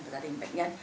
và gia đình bệnh nhân